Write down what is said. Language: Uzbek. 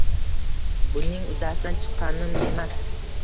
Buning uddasidan chiqqanim emas.